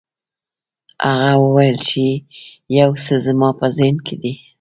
هغه وویل چې یو څه زما په ذهن کې دي.